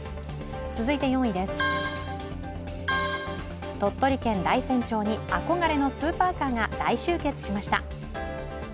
続いて４位です、鳥取県大山町に憧れのスーパーカーが大集結しました。